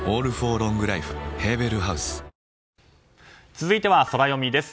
続いては、ソラよみです。